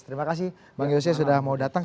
terima kasih bang yose sudah mau datang